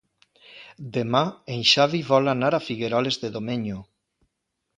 Demà en Xavi vol anar a Figueroles de Domenyo.